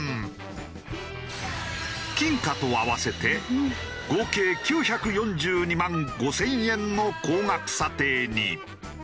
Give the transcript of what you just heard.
金貨と合わせて合計９４２万５０００円の高額査定に。